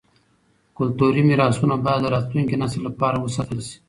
کلتوري میراثونه باید د راتلونکي نسل لپاره وساتل شي.